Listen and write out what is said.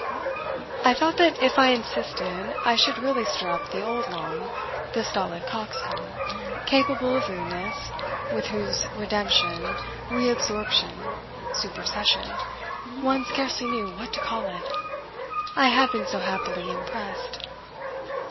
I felt that if I insisted I should really stir up the old Long, the stolid coxcomb, capable of rudeness, with whose redemption, reabsorption, supersession one scarcely knew what to call it I had been so happily impressed.